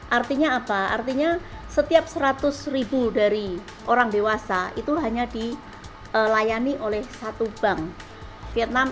artinya apa artinya setiap seratus ribu dari orang dewasa itu hanya dilayani oleh satu bank vietnam